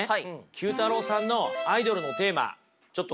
９太郎さんのアイドルのテーマちょっと